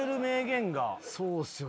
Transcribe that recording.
そうっすよね。